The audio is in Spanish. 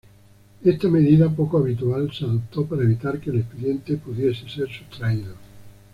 Esta medida, poco habitual, se adoptó para evitar que el expediente pudiese ser sustraído.